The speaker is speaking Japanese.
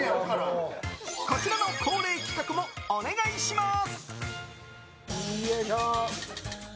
こちらの恒例企画もお願いします。